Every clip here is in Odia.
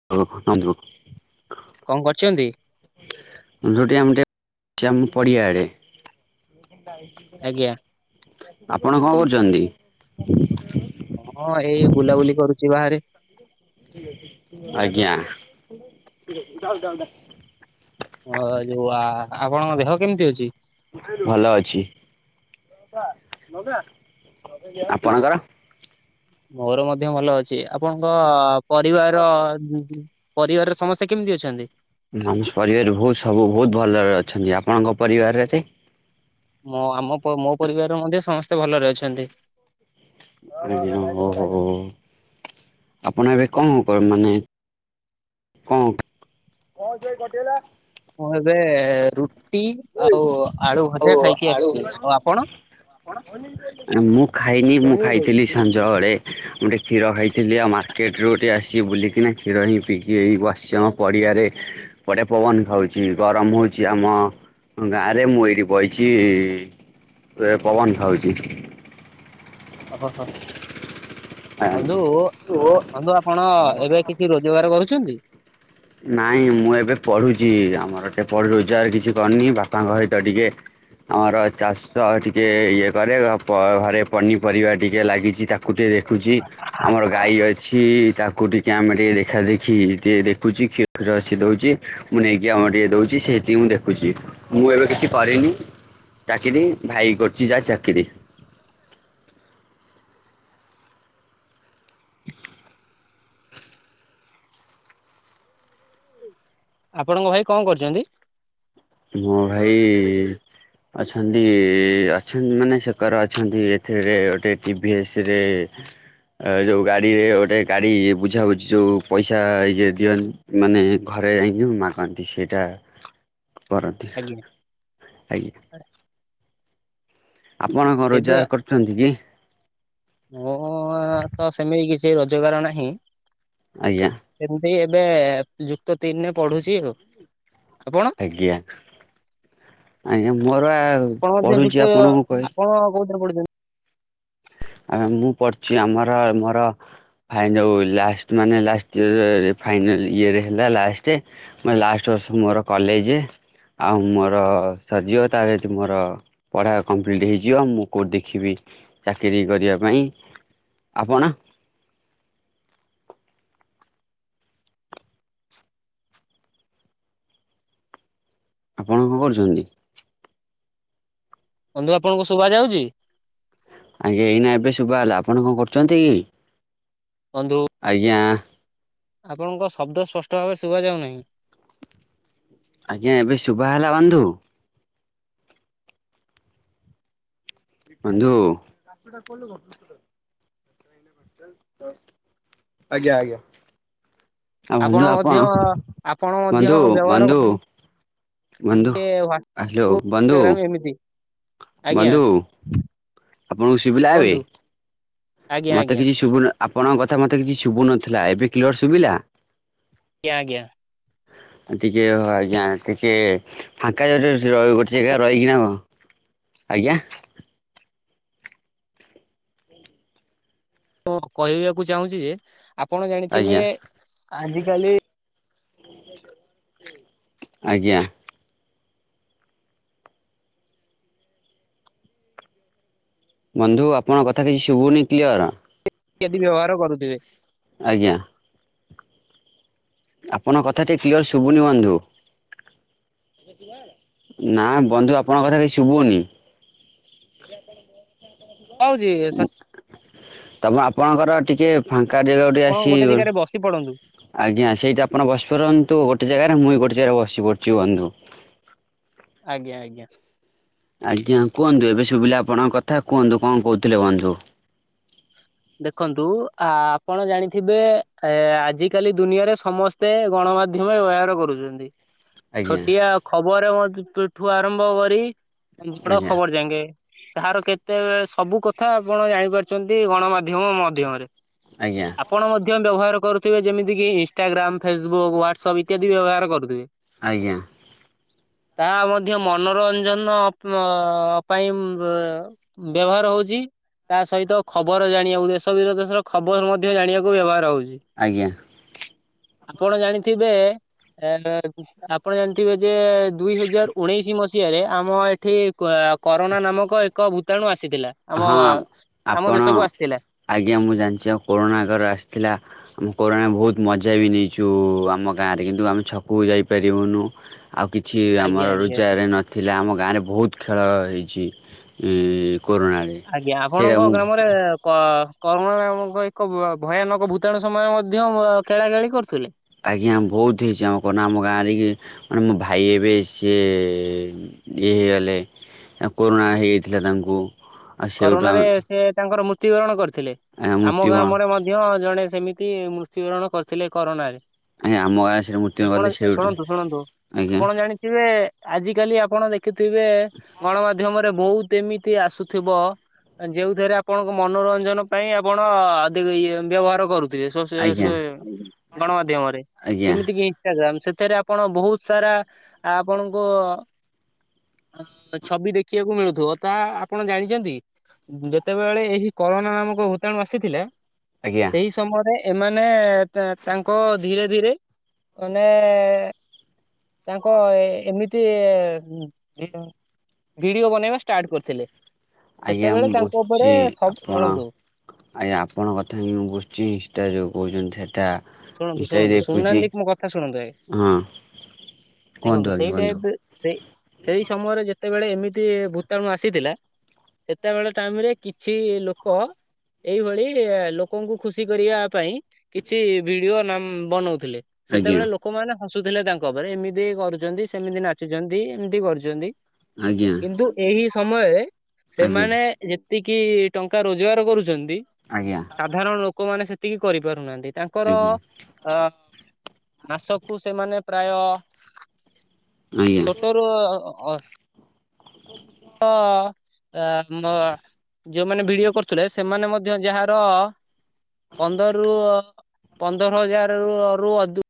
[unintelligible] କଣ କରିଛନ୍ତି? ରୋଟି ଆମଟି ଆମ ପଡ଼ିଆ ଆଡେ। ଆଜ୍ଞା। ଆପଣ କଣ କରୁଛନ୍ତି? ହଁ ଏଇ ବୁଲାବୁଲି କରୁଛି ବାହାରେ। ଆଜ୍ଞା। ହଁ ଯୋଉ ଆ ଆପଣଙ୍କ ଦେହ କେମିତି ଅଛି। ଭଲ ଅଛି ଆପଣଙ୍କର? ମୋର ମଧ୍ୟ ଭଲ ଅଛି ଆପଣଙ୍କ ପରିବାର ପରିବାରର ସମସ୍ତେ କେମିତି ଅଛନ୍ତି? ମ ପରିବାର ବହୁତ ସବୁ ବହୁତ ଭଲରେ ଅଛନ୍ତି ଆପଣଙ୍କ ପରିବାରରେ ସ ମୋ ଆମ ମୋ ପରିବାର ମଧ୍ୟ ସମସ୍ତେ ଭଲରେ ଅଛନ୍ତି। ଓ ହୋ ଆପଣ ଏବେ କଣ ହ କର ମାନେ କଣ କଣ ସେ କଟେଇଲା। ମୁଁ ଏବେ ରୁଟି ଆଉ ଆଳୁ ଭଜା ଖାଇକି ଆସିଛି ଆଉ ଆପଣ? ମୁଁ ଖାଇନି ମୁଁ ଖାଇଥିଲି ସଞ୍ଜ ବେଳେ। ମୁଁ ଗୋଟେ କ୍ଷୀର ଖାଇଥିଲି ଆଉ ମାର୍କେଟରୁୁ ଟିକେ ଆସିକି ବୁଲିକିନା କ୍ଷୀର ହିଁ ପିଇିକି ଏଇ ବସିଚି ଆମ ପଡ଼ିଆରେ। ବଢ଼ିଆ ପବନ ଖାଉଛି ଗରମ ହଉଛି ଆମ ହଁ ଗାଁ ରେ ମୁଁ ଏଇଠି ବଇଛି ଏ ପବନ ଖାଉଛି। ଓହହୋ ବନ୍ଧୁ ନାଇଁ ବନ୍ଧୁ ଆପଣ ଏବେ କିଛି ରୋଜ ରୋଜଗାର କରୁଛନ୍ତି। ନାଇଁ ମୁଁ ଏବେ ପଢୁଛି ଆମର ଏଟେ ପଢ ରୋଜଗାର କିଛି କରିନି ବାପାଙ୍କ ସହିତ ଟିକେ ଆମର ଚାଷ ଟିକେ ଇଏ କରେ ଘରେ ପନିପରିବା ଟିକେ ଲାଗିଛି ତାକୁ ମୁଁଟେ ଦେଖୁଛି ଆମର ଗାଈ ଅଛି ତାକୁ ଟିକେ ଆମେ ଟିକେ ଦେଖା ଦେଖି ଟିକେ ଦେଖ ଦେଖୁଛି କ୍ଷୀରୀର ଦଉଛି ମୁଁ ନେଇକି ଆମର ଟିକେ ଦଉଛି ସେତିକି ମୁଁ ଦେଖୁଛି। ମୁଁ ଏବେ କିଛି କରିନି ଚାକିରି ଭାଇ କରୁଛି ଯାହା ଚାକିରି ଆପଣଙ୍କ ଭାଇ କଣ କରୁଛନ୍ତି? ମୋ ଭାଇ ଅଛନ୍ତି ଅଛନ୍ତି ମାନେ ସେକରେ ଅଛନ୍ତି ଏଥିରେ ଗୋଟେ ଟିଭି ଏସ ରେ ଆ ଯୋଉ ଗାଡିରେ ଗୋଟେ ଗାଡି ବୁଝାବୁଝି ଯୋଉ ପଇସା ଇଏ ଦିଅନ୍ତ ମାନେ ଘରେ ଏଇଯୋଉ ମାନନ୍ତି ସେଇଟା କରନ୍ତି ଆଜ୍ଞା। ଆଜ୍ଞା। ଆପଣ କଣ ରୋଜଗାର କରୁଛନ୍ତି କି? ମୋର ତ ସେମିତି କିଛି ରୋଜଗାର ନାହିଁ। ଆଜ୍ଞା। ସେମିତି ଏବେ ଯୁକ୍ତ ତିନିରେ ପଢୁଛି ଆଉ ଆପଣ? ଆଜ୍ଞା ଆଜ୍ଞା ମୋର ଆ ପଢ଼ୁଛି ଆପଣଙ୍କୁ କହିି ହଁ କଉଥିରେ ପଢୁଛନ୍ତି? ଆ ମୁଁ ପଢ଼ିଛି ଆମର ଆ ମୋର ଫାଇନ ଆଉ ଲାଷ୍ଟ ମାନେ ଲାଷ୍ଟ ଇଅର ଫାଇନାଲ ଇଅର ହେଲା ଲାଷ୍ଟ ମ ଲାଷ୍ଟ ବର୍ଷ ମୋର କଲେଜ ଆଉ ମୋର ସରଜିବ ତାର ଯଦି ମୋର ପଢା କମ୍ପ୍ଲିଟ ହେଇଯିବ ମୁଁ କୋଉଠି ଦେଖିବି ଚାକିରିୀ କରିବା ପାଇଁ ଆପଣ? ଆପଣ କଣ କରୁଛନ୍ତି? ବନ୍ଧୁ ଆପଣଙ୍କୁ ଶୁଭା ଯାଉଛି? ଆଜ୍ଞା ଏଇନା ଏବେ ଶୁଭା ଗଲା ଆପଣ କଣ କରୁଛନ୍ତି କି? ବନ୍ଧୁ। ଆଜ୍ଞା। ଆପଣଙ୍କ ଶବ୍ଦ ସ୍ପଷ୍ଟ ଭାବରେ ଶୁଭା ଯାଉନାହିଁ। ଆଜ୍ଞା ଏବେ ଶୁଭା ହେଲା ବନ୍ଧୁ। ବନ୍ଧୁ। ଆଜ୍ଞା ଆଜ୍ଞା। ଆଉ ବନ୍ଧୁ ଆପଣ ଆପଣ ମଧ୍ୟ ବନ୍ଧୁ ବ୍ୟବହାର ବନ୍ଧୁ। ବନ୍ଧୁ କରିବେ ଆଲୋ ବନ୍ଧୁ। ହ୍ୱାଟ୍ସଆପ ଏମିତି ଆଜ୍ଞା ବନ୍ଧୁ ଆପଣଙ୍କୁ ଶୁଭିଲା ଏବେ? କୁହନ୍ତୁ ଆଜ୍ଞା ମତେ ଆଜ୍ଞା କିଛି ଶୁଭୁନେ ଆପଣଙ୍କ କଥା ମତେ କିଛି ଶୁଭୁନଥିଲା ଏବେ କ୍ଲିଅର ଶୁଭିଲା। ଆଜ୍ଞା ଆଜ୍ଞା। ମୁଁ ଟିକେ ଓ ଆଜ୍ଞା ଟିକେ। ଫାଙ୍କା ଯାଗାକୁ ଗୋଟେ ଜାଗା ରହିକି ନାଁ କ? ଆଜ୍ଞା। ମୁଁ କହିବାକୁ ଚାହୁଁଛି ଯେ ଆପଣ ଜାଣିଥିବେ ଆଜ୍ଞା ଆଜିିକାଲି। ଆଜ୍ଞା। ବନ୍ଧୁ ଆପଣଙ୍କ କଥା କିଛି ଶୁଭୁନି କ୍ଲିଅର? କେଦିବି ଘ ର କରୁଥିବେ। ଆଜ୍ଞା। ଆପଣଙ୍କ କଥା ଟିକେ କ୍ଲିୟର ଶୁଭୁନି ବନ୍ଧୁ? ସାରେ। ନା ବନ୍ଧୁ ଆପଣଙ୍କ କଥା କିଛି ଶୁଭୁନି? [inaudible] ପାଉଛି ସତ। ତମ ଆପଣଙ୍କର ଟିକେ ଫାଙ୍କା ଜାଗାକୁ ଟିକେ ଆପଣ ଗୋଟେ ଆସିିବେ ଜାଗାରେ ବସି ପଡନ୍ତୁ ଘରୁ। ଆଜ୍ଞା ସେଇଟା ଆପଣ ବସି ପାରନ୍ତୁ ଗୋଟେ ଜାଗାରେ ମୁଇଁ ଗୋଟେ ଜାଗାରେ ବସି ପଡ଼ୁଛି ବନ୍ଧୁ। ଆଜ୍ଞା ଆଜ୍ଞା। ଆଜ୍ଞା କୁହନ୍ତୁ ଏବେ ଶୁଭିଲା ଆପଣଙ୍କ କଥା କୁହନ୍ତୁ କଣ କହୁଥିଲେ ବନ୍ଧୁ? ଦେଖନ୍ତୁ ଆ ଆପଣ ଜାଣିଥିବେ ଏ ଆଜିକାଲି ଦୁନିଆରେ ସମସ୍ତ ତେ ଗଣମାଧ୍ୟମେ ବ୍ୟବହାର କରୁଛନ୍ତି। ଆଜ୍ଞା ଛୋଟିଆ ଖବର ମଧୁନ୍ତୁ ଆରମ୍ଭ କରି। ବଡ ଆଜ୍ଞା ଖବର ଜାଙ୍ଗେ। ତାହାର କେତେ ସବୁ କଥା ଆପଣ ଜାଣିପାରୁଛନ୍ତି ଗଣମାଧ୍ୟମ। ମଧ୍ୟମରେ। ଆଜ୍ଞା। ଆପଣ ମଧ୍ୟ ବ୍ୟବହାର କରୁଥିବେ ଯେମିତି କି? ଇନଷ୍ଟାଗ୍ରାମ, ଫେସବୁକ୍, ହ୍ୱାଟ୍ସଆପ୍ ଇତ ଇତ୍ୟାଦି ବ୍ୟବହାର କରୁଥିବେ। ଆଜ୍ଞା ତା ମଧ୍ୟ ମନରଞ୍ଜନ ଅ ପାଇଁ ବ ବ୍ୟବହାର ହଉଛି। ତା ସହିତ ଖବର ଯାଣି ଦେଶ ବିଦେଶର ଖବର ମଧ୍ୟ ଜାଣିବାକୁ ବ୍ୟବହାର ହଉଛି। ଆଜ୍ଞା। ଆପଣ ଜାଣିଥିବେ। ଏନ ଏ - ଆପଣ ଜାଣିଥିବେ ଯେ ଦୁଇ ହଜାର ଉଣେଇଶି ମସିହାରେ ଆମ ଏଠି କୁଆକ କରୋଣା ନାମକ ଏକ ଭୂତାଣୁ ଆସିଥିଲା। ଆମ ହଁ ଆମ ଆପଣ ଦେଶକୁ ଆସି ଆଜ୍ଞା ମୁଁ ଜାଣିଛି ଆଉ କୋରୋଣା ଆଗରେ ଆସିଥିଲା। ଆମେ କୋରୋଣା ବହୁତୁ ମଜା ବି ନେଇଛୁ ଆମ ଗାଁରେ କିନ୍ତୁ ଆମେ ଛକକୁ ଯାଇପାରିବୁନୁ। ଆଉ କିଛି ଆମର ଆଜ୍ଞା ଆଜ୍ଞା ରୋଜାଗାର ନଥିଲା ଆମ ଗାଁରେ ବହୁତୁ ଖେଳ ହେଇଛି। ଇଁ କୋରୋନାରେ। ଆଜ୍ଞା। ସେଇଟା ଆପଣଙ୍କ ମୁଁ ଗ୍ରାମରେ କ-କରୁଣାନାମକ ଏକ ଭୟାନକ ଭୂତାଣୁ ସମୟ ମଧ୍ୟ ଖେଳା ଖେଳି କରୁଥିଲେ। ଆଜ୍ଞା ବହୁତୁ ହେଇଛି ଆମ କରନା ଆମ ଗାଁରେ କି ମାନେ ମୋ ଭାଇ ଏବେ ସିଏ ଇଏ ହେଇଗଲେ, ଆଉ କରୋନା ହେଇଯାଇଥିଲା ତାଙ୍କୁ। ଆଉ ସେଇଠୁ କରୋନାରେ ସେ ତାଙ୍କର ମୃତ୍ୟୁବରଣ କରିଥିଲେ, ଆମେ ଆମ ମୃତ୍ୟୁବରଣ ଗ୍ରାମରେ ମଧ୍ୟ ମଧ୍ୟ ଜଣେ ସେମିତି ମୃତ୍ୟୁବରଣ କରିଥିଲେ କରୋନାରେ। ଆମ ଗାଁରେ ସେଇଟା ମୃତ୍ୟୁବରଣ ଆପଣ କରିଥିଲେ ସେଇଠୁ ଶୁଣନ୍ତୁ ଶୁଣନ୍ତୁ ଆଜ୍ଞା ଆପଣ ଜାଣିଥିବେ ଆଜି କାଲି ଆପଣ ଦେଖୁଥିବେ ଗଣମାଧ୍ୟମରେ ବହୁତ ଏମିତି ଆସୁ ଥିବ ଯେଉଥିରେ ଆପଣଙ୍କ ମନୋରଞ୍ଜନ ପାଇଁ ଆପଣ ଅଧିକ ଇ ଏ ବ୍ୟବହାର କରୁ ଦେଶ ସୋଏ ଆଜ୍ଞା ସୋଏ ଗଣମାଧ୍ୟମରେ ଆଜ୍ଞା ଯେମିତିକି ଜାମ୍ ଛେତେରେ ଆପଣ ବହୁତ ସାରା ଆପଣଙ୍କୁ ଛବି ଦେଖିବାକୁ ମିଳୁଥିବ ତା ଆପଣ ଜାଣିଛନ୍ତି, ଯେତେବେଳେ ଏହି କରୋନା ନାମକ ଭୂତାଣୁ ଆସିଥିଲା, ଆଜ୍ଞା ସେହି ସମୟରେ ଏମାନେ ତାଙ୍କ ଧୀରେ ଧୀରେ ମାନେ ତାଙ୍କ ଏଏମିତି ଭିଡିଓ ବନେଇବା ଷ୍ଟାର୍ଟ କରିଥିଲେ। ଆଜ୍ଞା ସେତେବେଳେ ମୁଁ ତାଙ୍କ ଉପରେ ବୁଝିଛି ସବୁ ଆପଣ ଶୁଣନ୍ତୁ ଆଜ୍ଞା ଆପଣଙ୍କ କଥା ହିଁ ମୁଁ ବୁଝ ଛି ଇନଷ୍ଟା ଯୋଉ କହୁଛନ୍ତି ସେଇଟା ଶୁଣନ୍ତୁ ଶୁଣନ୍ତୁ ଶୁଣନାହାଁନ୍ତି ମୋ କଥା ଶୁଣନ୍ତୁ ଆଗେ। ହଁ କୁହନ୍ତୁ ଦେଖନ୍ତୁ ଆଜ୍ଞା ସେଇ ବନ୍ଧୁ ଟାଇପରେ ସେଇ ସେଇ ସମୟରେ ଯେତେବେଳେ ଏମିତି ଭୂତାଣୁ ଆସିଥିଲା। ସେତେବେଳେ ଟାଇମ ରେ କିଛି ଲୋକ ଏଇଭଳି ଲୋକଙ୍କୁ ଖୁସି କରିବା ପାଇଁ କିଛି ଭିଡିଓ ନାମ ବନଉଥିଲେ ଆଜ୍ଞା ସେତେବେଳେ ଲୋକ ଲୋକମାନେ ହସୁଥିଲେ ତାଙ୍କ ଉପରେ, ଏମିତି କରୁଛନ୍ତି ସେମିତି ନାଚୁଛନ୍ତି ଏମିତି କରୁଛନ୍ତି। ଆଜ୍ଞା କିନ୍ତୁ ଏହି ସମୟରେ, ଆଜ୍ଞା ସେମାନେ ଯେତିକି ଟଙ୍କା ରୋଜଗାର କରୁଛନ୍ତି ଆଜ୍ଞା ସାଧାରଣ ଲୋକ ଲୋକମାନେ ସେତିକି କରିପାରୁନାହାନ୍ତି ତାଙ୍କର ଆଜ୍ଞା ଅ ମାସକୁ ସେମାନେ ପ୍ରାୟ ଆଜ୍ଞା ଛୋଟ ସେ [unintelligible] ହଁମ। ଯୋଉମାନେ ଭିଡିଓ କରୁଥିଲେ ସେମାନେ ମଧ୍ୟ ଯାହାର ପନ୍ଦର ରରୁ ପନ୍ଦର ହଜାର ରୁ ଅଧ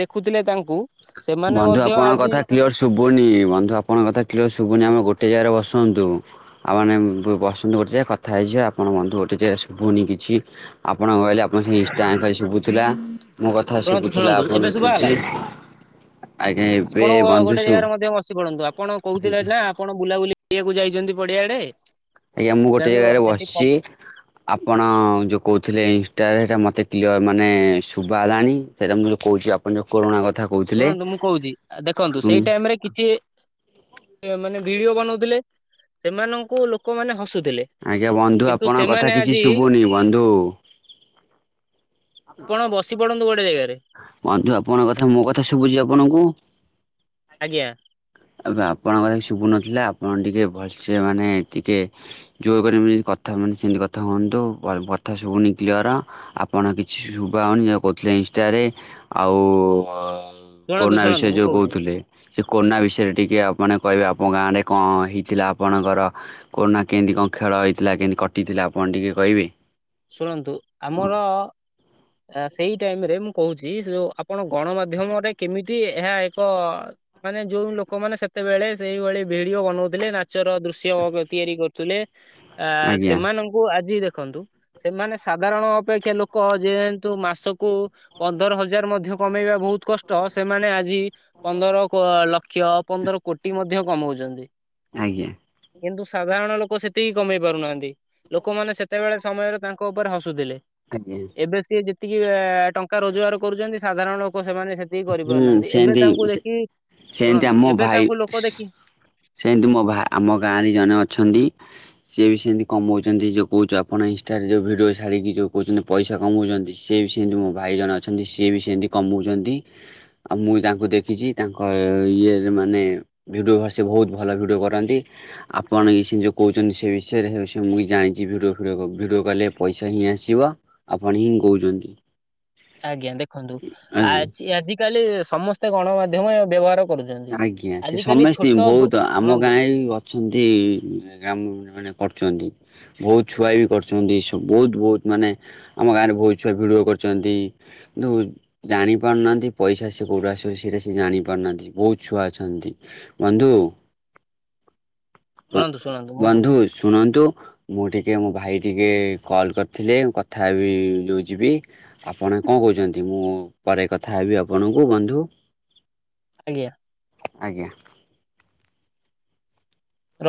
ଦେଖୁଥିଲେ ତାଙ୍କୁ ସେମାନେ ବନ୍ଧୁ ମଧ୍ୟ ଆପଣଙ୍କ ଆଜି କଥା କ୍ଲିୟର ଶୁ ଶୁଭୁନି ବନ୍ଧୁ ଆପଣଙ୍କ କଥା କ୍ଲିୟର ଶୁଭୁନି ଆମର ଗୋଟେ ଜାଗାରେ ବସନ୍ତୁ। ଆଉ ମାନେ ବସନ୍ତୁ ଗୋଟେ ଜାଗାରେ କଥା ହେଇଛିିବ ଆପଣଙ୍କ ମନ୍ଧୁ ଗୋଟେ ଯେ ଶୁଭୁନି କିଛି। ଆପଣ କହିଲେ ଆପଣ ସେ ଇନା ଶୁଭୁଥିଲା ମୋ କଥା ଶୁଣନ୍ତୁ ଶୁଭୁଥିଲା ଶୁଣନ୍ତୁ ଏବେ ଶୁଭା ହେଲା ଆପଣଙ୍କୁ। ଆଜ୍ଞା ଏବେ ଆପଣ ବନ୍ଧୁ ଗୋଟେ ଶୁ ଜାଗାରେ ମଧ୍ୟ ବସି ପଡନ୍ତୁ ଆପଣ କହୁଥିଲେ ଆଜ୍ଞା ଯାହା ଆପଣ ବୁଲାବୁଲି କରିବାକୁ ଯାଇଛନ୍ତି ପଡିଆ ଆଡେ? ଆଜ୍ଞା ମୁଁ ଗୋଟେ ଜାଗାରେ ବସିଛି। ଆପଣ ଯୋଉଁ କହୁଥିଲେ ଇନଷ୍ଟଟାରେ ସେଇଟା ମୋତେ କ୍ୟର ମାନେ ଶୁଭ ହେଲାଣି ସେଇଟା ମୁଁ ଯେଉଁ କହୁଛି। ପ ଯଉ କରୋନା କଥା କହୁଥିଲେ। ଶୁଣନ୍ତୁ ସିଏ ମାନେ ଭିଡିଓ ବନଉଥିଲେ ସେମାନଙ୍କୁ ଲୋକମାନୋନ ହସୁଥିଲେ। ଆଜ୍ଞା ବନ୍ଧୁ କିନ୍ତୁ ଆପଣଙ୍କ କଥା ସେମାନେ କିଛି ଆଜି ଶୁଭୁନି ବନ୍ଧୁ। -ଆପଣ ବସି ପଡନ୍ତୁ ଗୋଟେ ଜାଗାରେ? ବନ୍ଧୁଆପଣଙ୍କ କଥା ମୋ କଥା ଶୁଭୁଛି ଆପଣଙ୍କୁ ଆଜ୍ଞା। ଏବେ ଆପଣଙ୍କଥା ଶୁଭୁନଥିଲା ଆପଣ ଟିକି ଭଲସେ ମାନେ ଟିକେ ଜୋର କର କଥା ମାନେ ସେମିତି କଥା ହୁଅନ୍ତୁ କଥା ଶୁବୁନି କ୍ଲିଅର। ଆପଣ କିଛି ଶୁଣାଯାଉନି ଯେ କହୁଥିଲେ ଇନଷ୍ଟାରେ ଆଉ ଶୁଣନ୍ତୁ କୋନା ଶୁଣନ୍ତୁ ବିଷୟରେ ମୁଁ ଯୋଉ କହୁଛି କହୁଥିଲେ ସେ କୋନା ବିଷ ସେଟା ଟିକିଏ ଆପଣ କହିବେ ଆପଣ ଗାଁରେ କଣ ହେଇଥିଲା ଆପଣଙ୍କର? କୋନା କେମିତି କଣ ଖେଳ ହେଇଥିଲା କେମିତି କଟିଥିଲା ଆପଣ ଟିକେ କହିବେ? ଶୁଣନ୍ତୁ ଆମର ଆ ସେଇ ଟାଇମ ରେ ମୁଁ କହୁଛି ଯଉ ଆପଣ ଗଣମାଧ୍ୟମରେ କେମିତି ଏହା ଏକ ମାନେ ଯୋଉ ଲୋକମାନେ ସେତେବେଳେ ସେଇଭଳି ଭିଡିଓ ବନଉଥିଲେ ନାଚ ର ଦୃଶ୍ୟ ତିଆରି କରୁଥିଲେ। ଆ ଆଜ୍ଞା ସେମାନଙ୍କୁ ଆଜି ଦେଖନ୍ତୁ ସେମାନେ ସାଧାରଣ ଅପେକ୍ଷା ଲୋକ ଯେହେତୁ ମାସକୁ ପନ୍ଦର ହଜାର ମଧ୍ୟ କମେଇବା ବହୁତ କଷ୍ଟ ସେମାନେ ଆଜି ପନ୍ଦର ଲକ୍ଷ ପନ୍ଦର କୋଟି ମଧ୍ୟ କମଉଛନ୍ତି। ଆଜ୍ଞା। କିନ୍ତୁ ସାଧାରଣ ଲୋକ ସେତିକି କମେଇ ପାରୁନାହାନ୍ତି ଲୋକମାନେ ସେତେବେଳେ ସମୟର ତାଙ୍କ ଉପରେ ହସୁଥିଲେ। ଆଜ୍ଞା। ଏବେ ସିଏ ଯେତିକି ଟଙ୍କା ରୋଜଗାର କରୁଛନ୍ତି ସାଧାରଣ ଲୋକ ସେମାନେ ସେ କେହିଁ ହୁଁ କରିପାରୁନାହାନ୍ତି ଏବେ ସେମିତି ତାଙ୍କୁ ଦେଖି ସେମିତି ଶୁଣନ୍ତୁ ଆମ ଏବେ ଭାଇ ତାଙ୍କୁ ଲୋକ ଦେଖି ସେମିତି ମୋ ଭା ଆମ ଗାଁରେ ଜଣେ ଅଛନ୍ତି। ସିଏ ବି ସେମିତି କମଉଛନ୍ତି ଯେଉଁ କହୁଛ ଆପଣ ଇନଷ୍ଟାରେ ଯେଉଁ ଭିଡ଼ିଓ ଛାଡ଼ିକି ଯେଉଁ କହୁଛନ୍ତି ପଇସା କମଉଛନ୍ତି ସିଏ ବି ସେମିତି ମୋ ଭାଇଜଣ ଅଛନ୍ତି ସିଏ ବି ସେମିତି କମଉଛନ୍ତି। ଆଉ ମୁଁ ତାଙ୍କୁ ଦେଖିଛି ତାଙ୍କ ଇଏରେ ମାନେ ଭିଡିଓ ସେ ବହୁତ ଭଲ ଭିଡ଼ିଓ କରନ୍ତି। ଆପଣ ଏ ସେ ଯେଉ କହୁଛନ୍ତି ସେ ବିଷୟରେ ମୁଁ ଜାଣିଛି ଭିଡ଼ିଓ ଫିଡିଓ ଭିଡିଓ କଲେ ପଇସା ହିଁ ଆସିବ। ଆପଣ ହିଁ କହୁଛନ୍ତି। ଆଜ୍ଞା ଦେଖନ୍ତୁ ଆ ଆଜ୍ଞା। ଆଜି କାଲି ସମସ୍ତେ ଗଣମାଧ୍ୟମ ବ୍ୟବହାର କରୁଛନ୍ତି। ଆଜ୍ଞା ସେ ଆଜିକାଲି ସମସ୍ତିଙ୍କୁ ଛୋଟ ଦୋ ବହୁତ ଆମ ଶୁଣନ୍ତୁ ଗାଁ ଛନ୍ତି। ଗ୍ରାମ ମାନେ କରୁଛନ୍ତି। ବହୁତ ଛୁଆ ବି କରିଛନ୍ତି ସବୁ ବହୁତ ବହୁତ ମାନେ ଆମ ଗାଁ‌ ରେ ବହୁତ ଛୁଆ ଭିଡ଼ିଓ କରିଛନ୍ତି। କିନ୍ତୁ ଜାଣି ପାରୁନାହାନ୍ତି ପଇସା ସେ କୋଉଠୁ ଆସିବ ସେଇଟା ସେ ଜାଣି ପାରୁନାହାନ୍ତି। ବହୁତ ଛୁଆ ଅଛନ୍ତି। ବଂଧୁ ଶୁଣନ୍ତୁ ଶୁଣନ୍ତୁ ମୁଁ କ ବନ୍ଧୁ ଶୁଣନ୍ତୁ। ମୁଁ ଟିକେ ମୋ ଭାଇ ଟିକେ କଲ୍ କରିଥିଲେ। ମୁଁ କଥା ହେବି, ଯୋଉ ଯିବି। ଆପଣ କଣ କହୁଛନ୍ତି? ମୁଁ ପରେ କଥା ହେବି, ଆପଣଙ୍କୁ ବନ୍ଧୁ। ଆଜ୍ଞା। ଆଜ୍ଞା।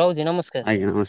ରହୁଛି ନମସ୍କା ଆଜ୍ଞା ନମ